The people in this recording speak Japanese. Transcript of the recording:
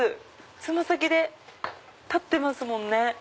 爪先で立ってますもんね。